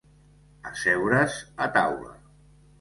Asseure's a taula.